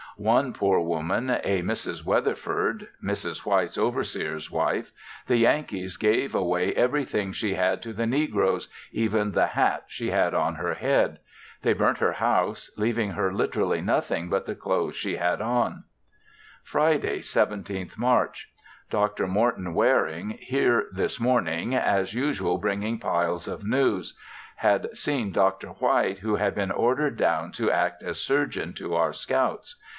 One poor woman, a Mrs. Weatherford Mrs. White's overseer's wife the Yankees gave away everything she had to the negroes, even the hat she had on her head. They burnt her house, leaving her literally nothing but the clothes she had on. Friday, 17th March. Dr. Morton Waring here this morning, as usual bringing piles of news; had seen Dr. White, who had been ordered down to act as surgeon to our scouts.